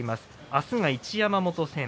あすは一山本戦。